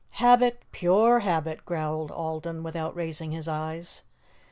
"Habit, pure habit," growled Alden, without raising his eyes.